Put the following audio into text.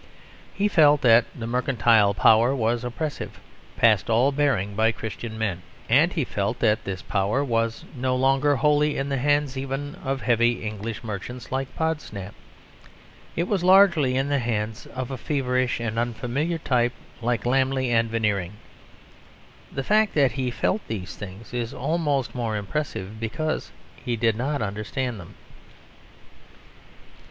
He felt that the mercantile power was oppressive, past all bearing by Christian men; and he felt that this power was no longer wholly in the hands even of heavy English merchants like Podsnap. It was largely in the hands of a feverish and unfamiliar type, like Lammle and Veneering. The fact that he felt these things is almost more impressive because he did not understand them.